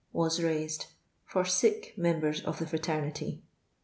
was raised for sick members of the fraternity.